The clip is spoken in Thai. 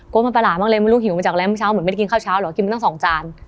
โก๊มันประหลาบ้างเลยมันรู้หิวมันจากอะไรมันเช้าเหมือนไม่ได้กินข้าวเช้าหรอกินมาตั้งสองจาน